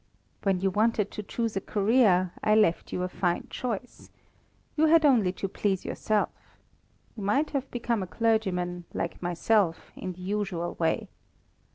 When you wanted to choose a career, I left you a fine choice. You had only to please yourself. You might have become a clergyman, like myself, in the usual way.